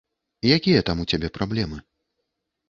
Якія там у цябе праблемы?